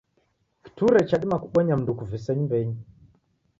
Kiture chadima kubonya mndu ukuvise nyumbenyi.